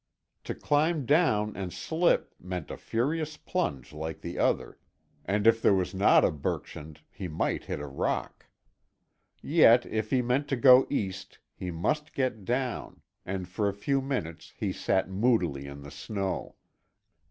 To climb down and slip meant a furious plunge like the other, and if there was not a bergschrund, he might hit a rock. Yet, if he meant to go east, he must get down, and for a few minutes he sat moodily in the snow.